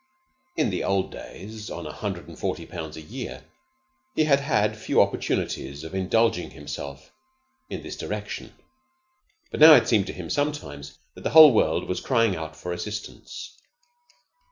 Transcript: In the old days, on a hundred and forty pounds a year, he had had few opportunities of indulging himself in this direction; but now it seemed to him sometimes that the whole world was crying out for assistance.